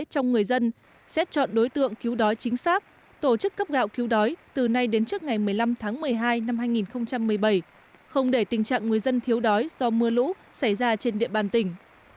trong người dân xét chọn đối tượng cứu đói chính xác tổ chức cấp gạo cứu đói từ nay đến trước ngày một mươi năm tháng một mươi hai năm hai nghìn một mươi bảy không để tình trạng người dân thiếu đói do mưa lũ xảy ra trên địa bàn tỉnh